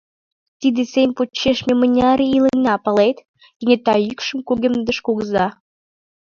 Тиде сем почеш ме мыняр ий илена, палет? — кенета йӱкшым кугемдыш кугыза.